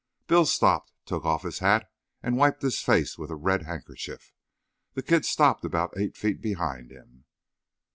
Bill stopped, took off his hat and wiped his face with a red handkerchief. The kid stopped about eight feet behind him.